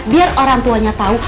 biar orang tuanya tau